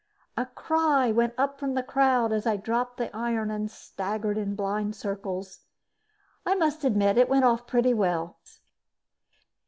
A cry went up from the crowd as I dropped the iron and staggered in blind circles. I must admit it went off pretty well.